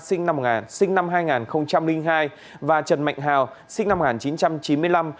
sinh năm hai nghìn hai và trần mạnh hào sinh năm một nghìn chín trăm chín mươi năm